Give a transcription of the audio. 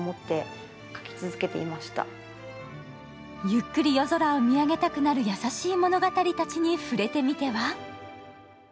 ゆっくり夜空を見上げたくなる優しい物語たちに触れてみては？